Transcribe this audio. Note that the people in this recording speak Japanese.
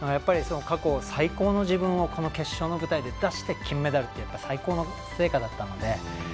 最高の自分をこの決勝の舞台で出して金メダルという最高の成果だったので。